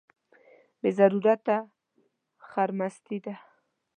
بې ضرورته خرمستي ده.